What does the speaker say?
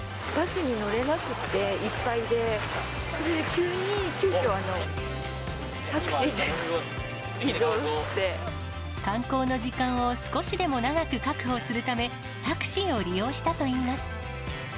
それで急に、急きょ、タクシーで観光の時間を少しでも長く確保するため、タクシーを利用したといいます。